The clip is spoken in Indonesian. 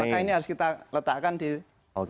maka ini harus kita letakkan di laut